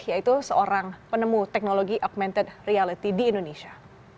yaitu seorang penemu teknologi augmented reality di indonesia